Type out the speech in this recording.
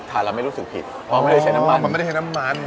เราไม่รู้สึกผิดเพราะไม่ได้ใช้น้ำมันมันไม่ได้ใช้น้ำมัน